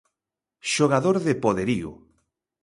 Xogador de poderío.